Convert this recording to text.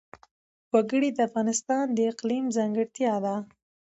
وګړي د افغانستان د اقلیم ځانګړتیا ده.